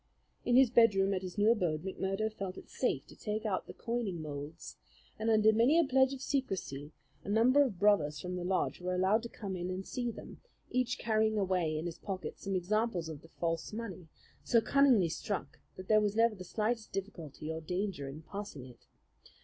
In his bedroom at his new abode McMurdo felt it safe to take out the coining moulds, and under many a pledge of secrecy a number of brothers from the lodge were allowed to come in and see them, each carrying away in his pocket some examples of the false money, so cunningly struck that there was never the slightest difficulty or danger in passing it.